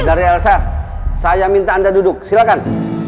dari elsa saya minta anda duduk silahkan